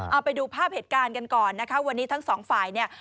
เอาไปดูภาพเหตุการณ์กันก่อนนะคะวันนี้ทั้งสองฝ่ายเนี่ย